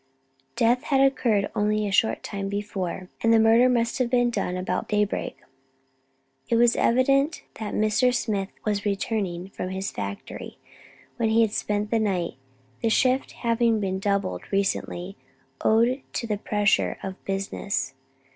Death had occurred only a short time before, and the murder must have been done about daybreak. It was evident that Mr. Smith was returning from his factory, where he had spent the night, the shift having been doubled recently, owing to the pressure of business.